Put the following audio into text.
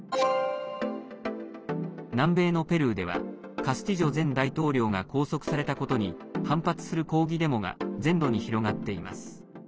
南米のペルーではカスティジョ前大統領が拘束されたことに反発する抗議デモが全土に広がっています。